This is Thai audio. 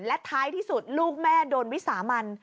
และท้ายที่สุดลูกแม่โดนวิสามัน